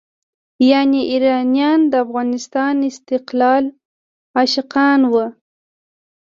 یعنې ایرانیان د افغانستان د استقلال عاشقان وو.